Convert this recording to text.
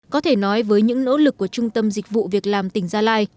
có thể nói với những nỗ lực của trung tâm dịch vụ việc làm tỉnh gia lai